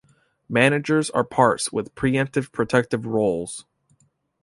Managers are parts with preemptive protective roles.